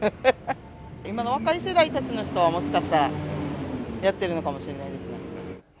今の若い世代人たちは、もしかしたらやってるのかしれないですね。